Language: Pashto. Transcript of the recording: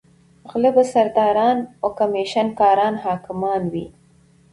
غله به سرداران او کمېشن کاران حاکمان وي.